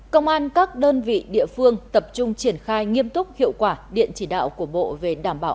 công an các đơn vị địa phương tập trung triển khai nghiêm túc hiệu quả điện chỉ đạo của bộ